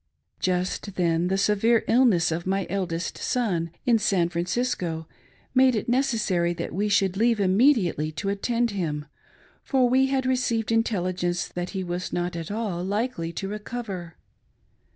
Just then, the severe illness of my eldest son, in San Francisco, made it necessar)^ that we should leave immediately to attend him, for we had received intelligence that he was not at all likely to recover.